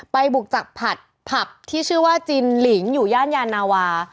บุกจากผัดผับที่ชื่อว่าจินหลิงอยู่ย่านยานาวา